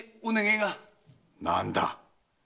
何だ？